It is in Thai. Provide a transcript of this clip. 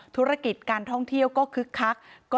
ธุรกิจการท่องเที่ยวก็คึกคัก